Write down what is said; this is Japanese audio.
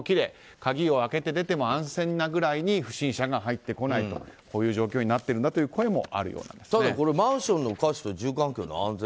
鍵を開けて出ても安全なぐらいに不審者が入ってこないという状況になっているんだというマンションの価値と住環境の安全。